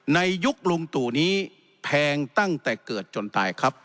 ในยุคลุงตู่นี้แพงตั้งแต่เกิดจนตายครับ